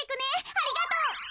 ありがとう。